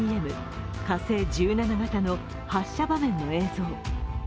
火星１７型の発射場面の映像。